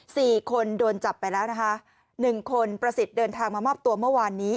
สี่คนโดนจับไปแล้วนะคะหนึ่งคนประสิทธิ์เดินทางมามอบตัวเมื่อวานนี้